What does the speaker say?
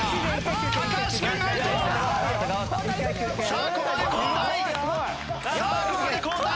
さあここで交代。